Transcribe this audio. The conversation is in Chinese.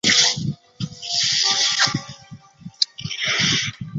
这座车站位于劳动路与大庆路口。